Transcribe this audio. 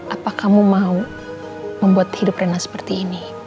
apa kamu mau membuat hidup rena seperti ini